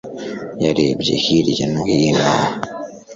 yarebye hirya no hino